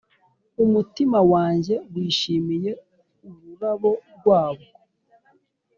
Umutima wanjye wishimiye ururabo rwabwo,